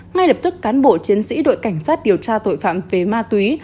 ngay lập tức cán bộ chiến sĩ đội cảnh sát điều tra tội phạm về ma túy